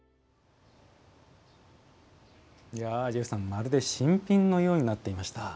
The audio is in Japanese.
まるで新品のようになっていました。